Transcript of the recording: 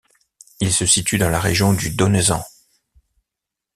Il se situe dans la région du Donezan.